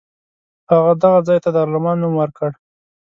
هغه دغه ځای ته دارالامان نوم ورکړ.